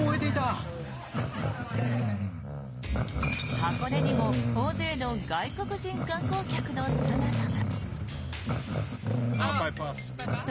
箱根にも大勢の外国人観光客の姿が。